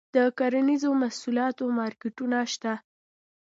د کرنیزو محصولاتو مارکیټونه شته؟